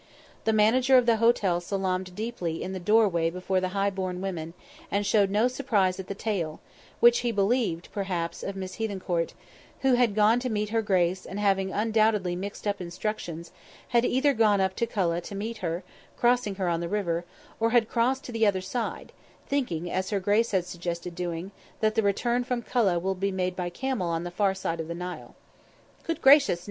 The manager of the hotel salaamed deeply in the doorway before the high born women, and showed no surprise at the tale which he believed, perhaps of Miss Hethencourt, who had gone to meet her grace and having undoubtedly mixed up instructions, had either gone up to Kulla to meet her, crossing her on the river, or had crossed to the other side, thinking, as her grace had suggested doing, that the return from Kulla would be made by camel on the far side of the Nile. Good gracious!